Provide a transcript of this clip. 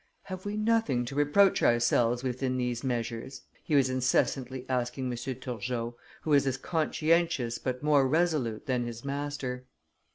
"Have we nothing to reproach ourselves with in these measures?" he was incessantly asking M. Turgot, who was as conscientious but more resolute than his master.